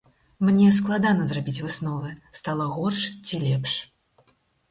Мне складана зрабіць высновы, стала горш ці лепш.